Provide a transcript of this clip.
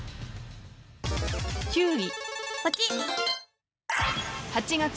［９位］